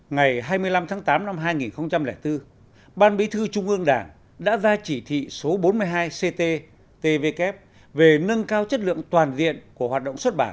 ngày hai mươi năm tháng tám năm hai nghìn bốn ban bí thư trung ương đảng đã ra chỉ thị số bốn mươi hai ct tvk về nâng cao chất lượng toàn diện